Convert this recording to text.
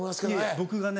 僕がね